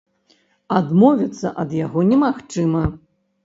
Адмовіцца ад яго немагчыма.